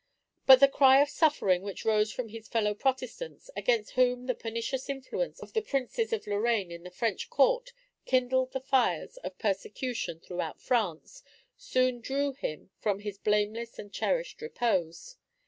But the cry of suffering which rose from his fellow Protestants, against whom the pernicious influence of the Princes of Lorraine in the French court kindled the fires of persecution throughout France, soon drew him from his blameless and cherished repose.